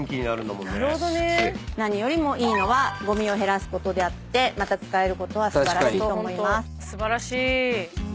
何よりもいいのはゴミを減らすことであってまた使えることは素晴らしいと思います。